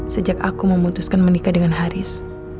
sejak aku memutuskan menikah dengan haris